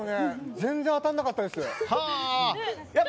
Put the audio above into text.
全然、当たらなかったです。